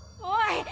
おい！